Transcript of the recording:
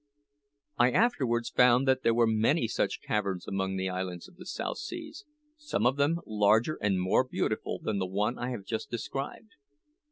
I afterwards found that there were many such caverns among the islands of the South Seas, some of them larger and more beautiful than the one I have just described.